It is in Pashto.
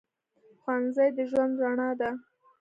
ښوونځی د ژوند رڼا ده